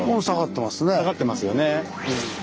下がってますよね。